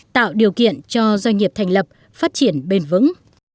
tạo điều kiện cho doanh nghiệp thành lập phát triển bền vững